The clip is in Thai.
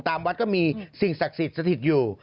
ตามวัดก็มีสิ่งศักดิ์สิทธิ์สถิตอยู่